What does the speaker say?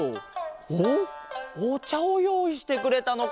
おっおちゃをよういしてくれたのか。